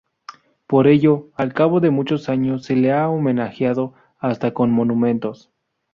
Por ello, al cabo de muchos años se le ha homenajeado hasta con monumentos.